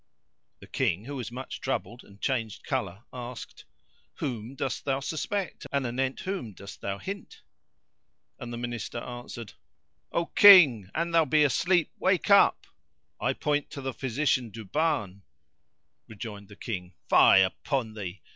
The King, who was much troubled and changed colour, asked, "Whom dost thou suspect and anent whom doest thou hint?" and the Minister answered, "O King, an thou be asleep, wake up! I point to the physician Duban." Rejoined the King, "Fie upon thee!